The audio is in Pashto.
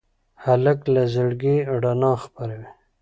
هلک له زړګي رڼا خپروي.